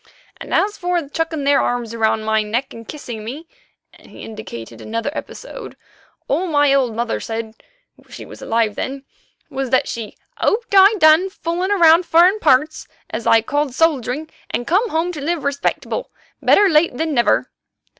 "And as for chucking their arms round my neck and kissing me," and he indicated another episode, "all my old mother said—she was alive then—was that she 'hoped I'd done fooling about furrin' parts as I called soldiering, and come home to live respectable, better late than never.